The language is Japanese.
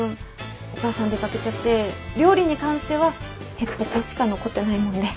お母さん出掛けちゃって料理に関してはへっぽこしか残ってないもんで。